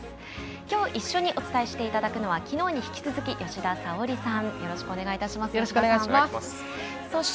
今日一緒にお伝えしていただくのは昨日に引き続き吉田沙保里さん